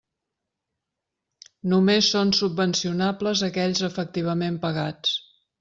Només són subvencionables aquells efectivament pagats.